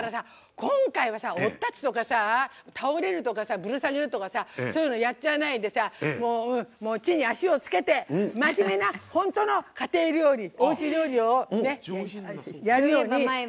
今回は、おっ立つとか倒れるとか、ぶら下げるとかそういうをやっちゃわないで地に足をつけて真面目な本当の家庭料理おうち料理をやるように。